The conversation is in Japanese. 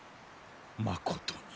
まことに。